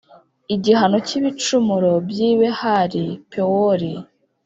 Igihano cy’ibicumuro by’i Behali‐Pewori